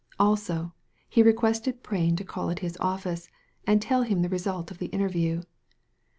Also, he requested Prain to call at his oiSce, and tell him the result of the interview.